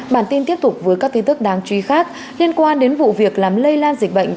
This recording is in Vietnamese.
bản tin tiếp tục với các tin tức đáng chú ý khác liên quan đến vụ việc làm lây lan dịch bệnh